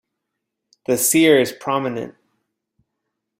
The cere is prominent.